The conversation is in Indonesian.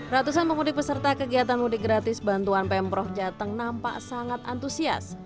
ratusan pemudik peserta kegiatan mudik gratis bantuan pemprov jateng nampak sangat antusias